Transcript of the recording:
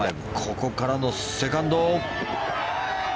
ここからのセカンド。